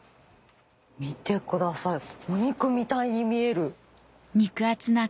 見てくださいお肉みたいに見える。